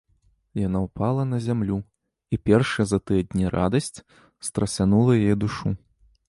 Яна ўпала на зямлю, і першая за тыя дні радасць страсянула яе душу.